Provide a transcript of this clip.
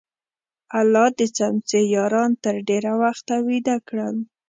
الله د څمڅې یاران تر ډېره وخته ویده کړل.